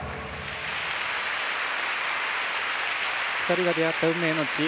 ２人が出会った運命の地